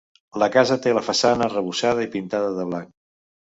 La casa té la façana arrebossada i pintada de blanc.